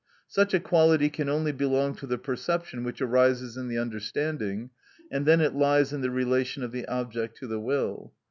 Such a quality can only belong to the perception which arises in the understanding, and then it lies in the relation of the object to the will.